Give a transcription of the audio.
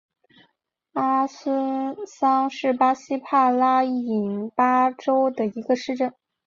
阿孙桑是巴西帕拉伊巴州的一个市镇。